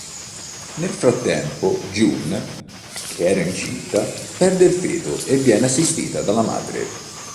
Nel frattempo June, che era incinta, perde il feto e viene assistita dalla madre.